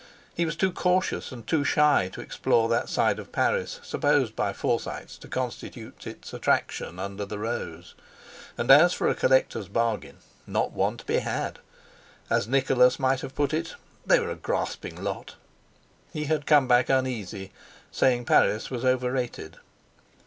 He was too cautious and too shy to explore that side of Paris supposed by Forsytes to constitute its attraction under the rose; and as for a collector's bargain—not one to be had! As Nicholas might have put it—they were a grasping lot. He had come back uneasy, saying Paris was overrated.